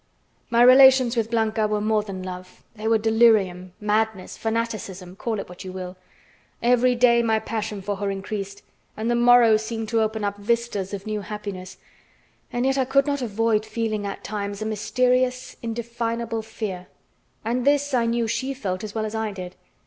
My relations with Blanca were more than love; they were delirium, madness, fanaticism, call it what you will. Every day my passion for her increased, and the morrow seemed to open up vistas of new happiness. And yet I could not avoid feeling at times a mysterious, indefinable fear. And this I knew she felt as well as I did.